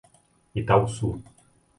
Itauçu